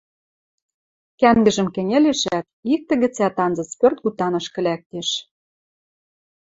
Кӓнгӹжӹм кӹньӹлешӓт, иктӹ гӹцӓт анзыц пӧртгутанышкы лӓктеш.